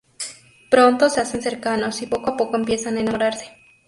Pronto se hacen cercanos y poco a poco comienzan a enamorarse.